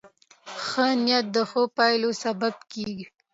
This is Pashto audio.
ښه نیت د ښو پایلو سبب کېږي.